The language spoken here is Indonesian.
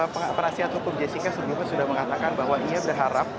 perasihat hukum jessica sudah mengatakan bahwa ia berharap